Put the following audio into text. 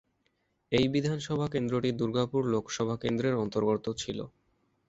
এই বিধানসভা কেন্দ্রটি দুর্গাপুর লোকসভা কেন্দ্রের অন্তর্গত ছিল।